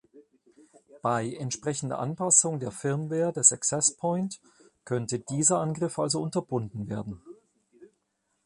Bei entsprechender Anpassung der Firmware des Access Point könnte dieser Angriff also unterbunden werden.